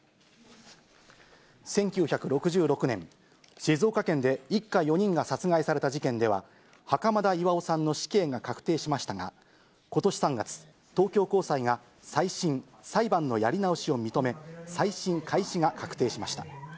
１９６６年、静岡県で一家４人が殺害された事件では、袴田巌さんの死刑が確定しましたが、ことし３月、東京高裁が再審・裁判のやり直しを認め、再審開始が確定しました。